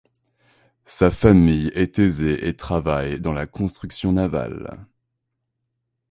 Sa famille est aisée et travaille dans la construction navale.